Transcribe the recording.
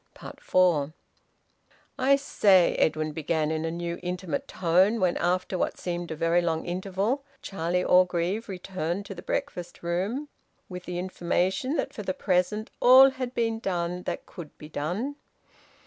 FOUR. "I say," Edwin began, in a new intimate tone, when after what seemed a very long interval Charlie Orgreave returned to the breakfast room with the information that for the present all had been done that could be done.